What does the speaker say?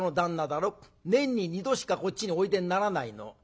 だろ年に２度しかこっちにおいでにならないの。